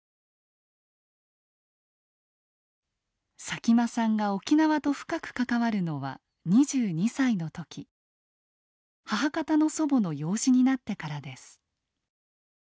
佐喜眞さんが沖縄と深く関わるのは２２歳の時母方の祖母の養子になってからです。